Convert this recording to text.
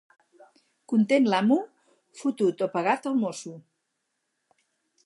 Content l'amo, fotut o pagat el mosso.